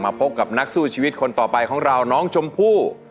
พบกับนักสู้ชีวิตคนต่อไปของเราน้องชมพู่